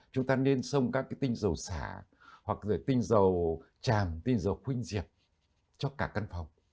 chúng ta nên sông các tinh dầu xả hoặc tinh dầu chàm tinh dầu khuynh diệt cho cả căn phòng